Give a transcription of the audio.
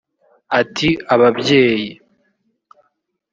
Ati “Ababyeyi